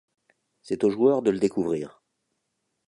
C'est au joueur de le découvrir.